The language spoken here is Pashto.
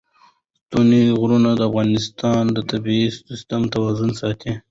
ستوني غرونه د افغانستان د طبعي سیسټم توازن ساتي.